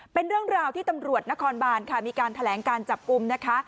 เป็นเรื่องราวที่ตำรวจนครบานค่ะมีการแถลงการจับกลุ่มนะคะ